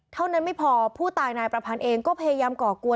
เท่านั้นไม่พอผู้ตายนายประพันธ์เองก็พยายามก่อกวน